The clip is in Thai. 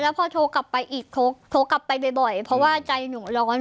พอโทรกลับไปอีกโทรกลับไปบ่อยเพราะว่าใจหนูร้อน